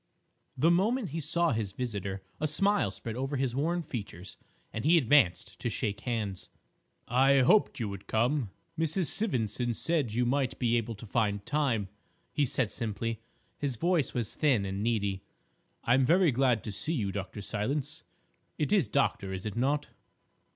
The moment he saw his visitor a smile spread over his worn features, and he advanced to shake hands. "I hoped you would come; Mrs. Sivendson said you might be able to find time," he said simply. His voice was thin and needy. "I am very glad to see you, Dr. Silence. It is 'Doctor,' is it not?"